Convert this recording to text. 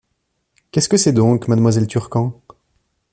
Qu’est-ce que c’est donc, madamoiselle Turquant ?